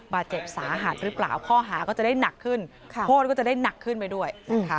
บาดเจ็บสาหัสหรือเปล่าข้อหาก็จะได้หนักขึ้นโทษก็จะได้หนักขึ้นไปด้วยนะคะ